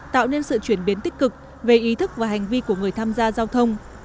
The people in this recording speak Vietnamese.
tạo nên sự chuyển biến tích cực về ý thức và hành vi của người tham gia giao thông